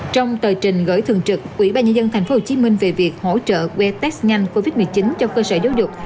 trong tờ trình gửi thường trực quỹ ban nhân dân tp hcm về việc hỗ trợ que test nhanh covid một mươi chín cho cơ sở giáo dục